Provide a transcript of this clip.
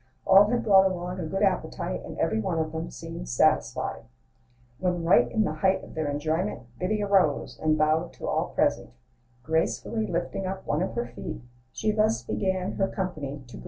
All had brought along a good appetite, And every one of them seemed satisfied. When right in the height of their enjoyment, Biddy arose and bowed to all present; Gracefully lifting up one of her feet, She thus began her company to greet: */*•* r